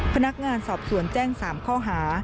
พนักงานสอบสวนแจ้ง๓ข้อหา